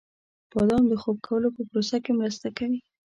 • بادام د خوب کولو په پروسه کې مرسته کوي.